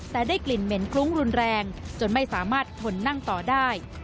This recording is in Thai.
แต่ได้กลิ่นเหม็นคลุ้งรุนแรงจนไม่สามารถทนนั่งต่อได้